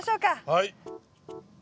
はい。